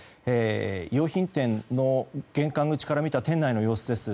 用品店の玄関口から見た店内の様子です。